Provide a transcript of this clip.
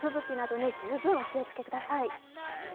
吹雪などに十分お気を付けください。